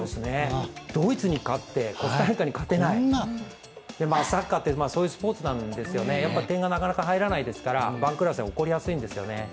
ドイツに勝って、コスタリカに勝てない、サッカーってそういうスポーツなんですよね、点がなかなか入らないですから番狂わせが起こりやすいんですよね。